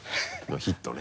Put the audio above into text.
「ヒット」ね。